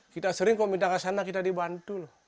kita sering kalau minta kesana kita dibantu